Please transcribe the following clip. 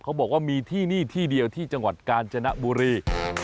เขาบอกว่ามีที่นี่ที่เดียวที่จังหวัดกาญจนบุรี